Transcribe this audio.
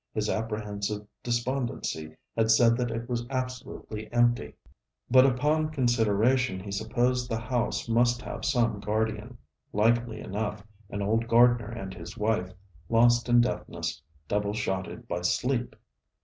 His apprehensive despondency had said that it was absolutely empty, but upon consideration he supposed the house must have some guardian: likely enough, an old gardener and his wife, lost in deafness double shotted by sleep!